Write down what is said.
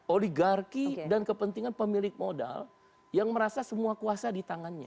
oligarki dan kepentingan pemilik modal yang merasa semua kuasa di tangannya